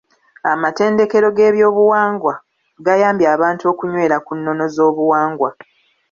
Amatendekero g'ebyobuwangwa gayambye abantu okunywera ku nnono z'obuwangwa.